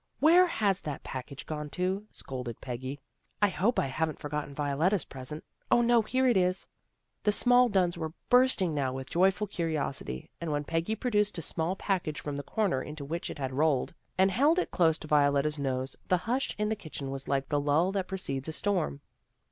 " Where has that package gone to? " scolded Peggy. " I hope I haven't forgotten Violetta's present. 0, no, here it is." The small Dunns were bursting now with joy ful curiosity, and when Peggy produced a small package from the corner into which it had rolled, and held it close to Violetta's nose, the hush in the kitchen was like the lull that precedes a storm.